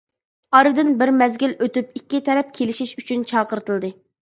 ئارىدىن بىر مەزگىل ئۆتۈپ ئىككى تەرەپ كېلىشىش ئۈچۈن چاقىرتىلدى.